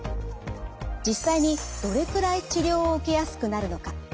実際にどれくらい治療を受けやすくなるのか。